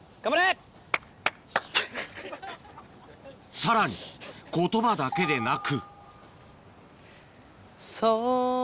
さらに言葉だけでなく